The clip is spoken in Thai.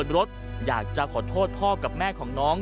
เดินขึ้นไปดูบนรถอยากจะขอโทษพ่อกับแม่ของน้อง